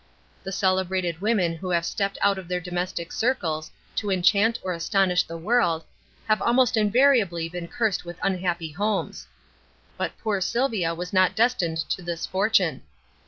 The celebrated women who have stepped out of their domestic circles to enchant or astonish the world, have almost invariably been cursed with unhappy homes. But poor Sylvia was not destined to this fortune.